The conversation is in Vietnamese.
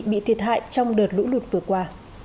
bị thiệt hại trong đợt lũ lụt vừa qua